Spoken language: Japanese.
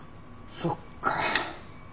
そっか。